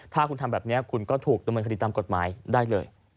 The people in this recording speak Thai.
ถ้าคุณทำแบบนี้คุณก็ถูกดำเนินคดีตามกฎหมายได้เลย